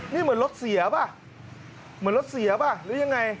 นี่เหมือนรถเสียป่ะเหมือนรถเสียป่ะหรือยังไง